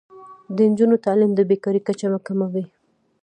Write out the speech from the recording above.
د نجونو تعلیم د بې کارۍ کچه کموي.